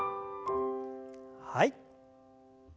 はい。